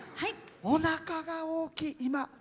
おなかが大きい。